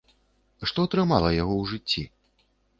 Што трымала яго ў жыцці?